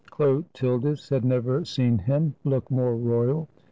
Chlotil dis had never seen him look more royal.